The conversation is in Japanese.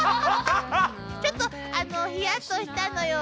ちょっとヒヤッとしたのよ。